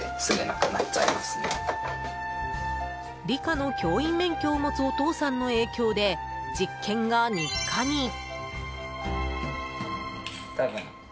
理科の教員免許を持つお父さんの影響で実験が日課に。